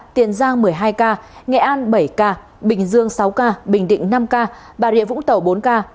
tiền giang một mươi hai ca nghệ an bảy ca bình dương sáu ca bình định năm ca bà rịa vũng tàu bốn ca